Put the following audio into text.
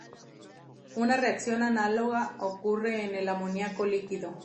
Una reacción análoga ocurre en el amoníaco líquido.